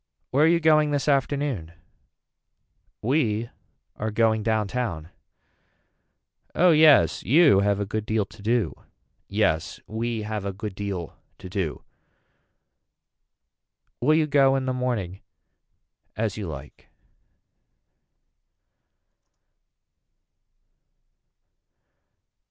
Where are you going this afternoon. We are going down town. Oh yes you have a good deal to do. Yes we have a good deal to do. Will you go in the morning. As you like.